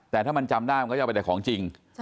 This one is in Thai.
แต่ถ้ามันจำได้มันก็จะเอาไปแต่ของจริง